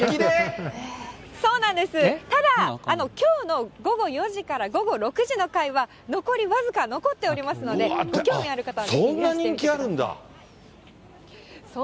そうなんです、ただ、きょうの午後４時から午後６時の会は残り僅か、残っておりますので、ご興味ある方はぜひいらしてみてください。